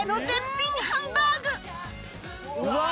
うわ！